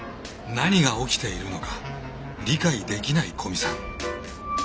何が起きているのか理解できない古見さん。